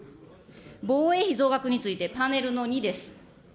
防衛費増額について、パネルの２です。